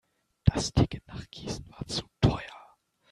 Das Ticket nach Gießen war zu teuer